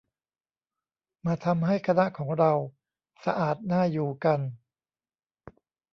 "มาทำให้คณะของเรา สะอาดน่าอยู่กัน"